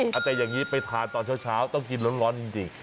อาจจะอย่างนี้ไปทานตอนเช้าต้องกินร้อนจริง